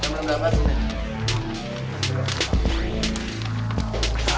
kameranya berapa sih ini